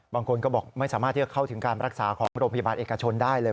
บางคนก็บอกไม่สามารถที่จะเข้าถึงการรักษาของโรงพยาบาลเอกชนได้เลย